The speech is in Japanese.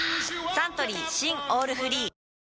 サントリー新「オールフリー」